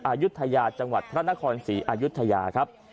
อายุทยาจังหวัดพระนครศรีอายุทยาครับ